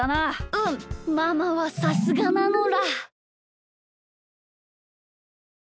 うんママはさすがなのだ！